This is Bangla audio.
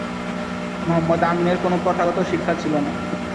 মহম্মদ আমিনের কোনো প্রথাগত শিক্ষা ছিল না।